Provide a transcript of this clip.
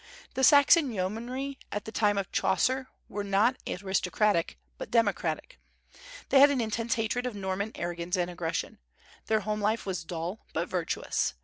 The Saxon yeomanry at the time of Chaucer were not aristocratic, but democratic. They had an intense hatred of Norman arrogance and aggression. Their home life was dull, but virtuous.